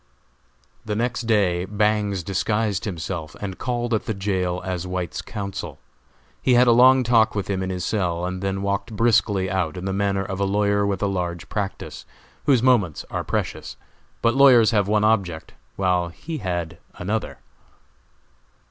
The next day Bangs disguised himself and called at the jail as White's counsel. He had a long talk with him in his cell and then walked briskly out in the manner of a lawyer with a large practice, whose moments are precious; but lawyers have one object, while he had another.